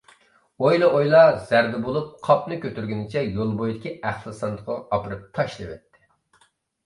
ئويلا-ئويلا زەردە بولۇپ، قاپنى كۆتۈرگىنىچە يول بويىدىكى ئەخلەت ساندۇقىغا ئاپىرىپ تاشلىۋەتتى.